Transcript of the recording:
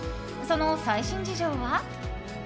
その最新事情は？